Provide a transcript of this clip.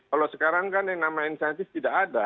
kalau sekarang kan yang nama insentif tidak ada